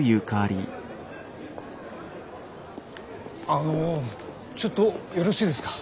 あのちょっとよろしいですか？